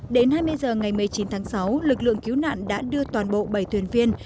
đến hai mươi h ngày một mươi chín tháng sáu lực lượng cứu nạn đã đưa toàn bộ bảy thuyền viên